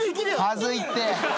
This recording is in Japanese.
恥ずいって。